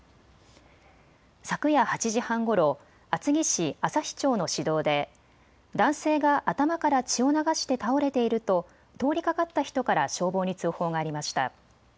昨夜８時半ごろ厚木市旭町の市道で男性が頭から血を流して倒れていると通りがかった人から消防に通報がありました。